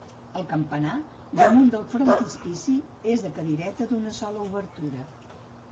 El campanar, damunt del frontispici, és de cadireta d'una sola obertura.